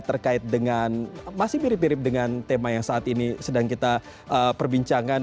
terkait dengan masih mirip mirip dengan tema yang saat ini sedang kita perbincangkan